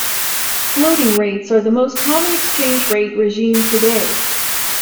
Floating rates are the most common exchange rate regime today.